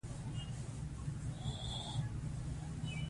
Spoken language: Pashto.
که ایوب خان را رهي سي، نو غازیان به ورسره یو ځای سي.